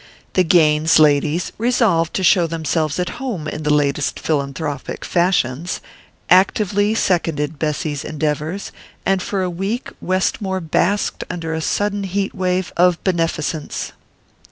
The Gaines ladies, resolved to show themselves at home in the latest philanthropic fashions, actively seconded Bessy's endeavours, and for a week Westmore basked under a sudden heat wave of beneficence.